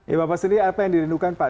ya bapak sendiri apa yang dirindukan pak